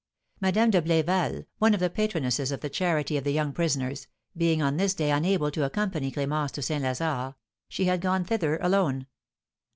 Madame de Blinval, one of the patronesses of the charity of the young prisoners, being on this day unable to accompany Clémence to St. Lazare, she had gone thither alone.